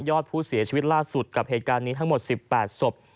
อดผู้เสียชีวิตล่าสุดกับเหตุการณ์นี้ทั้งหมด๑๘ศพ